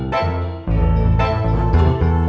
kau mau berangkat